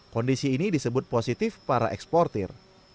kondisi ini disebut positif para eksportir